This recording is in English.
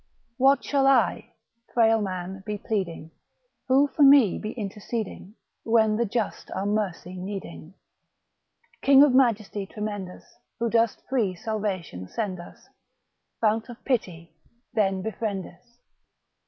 What shall I, frail man, be pleading ?, Who for me be interceding ? When the just are mercy needing. King of Majesty tremendous, Who dost free salvation send us. Fount of pity! then befriend us.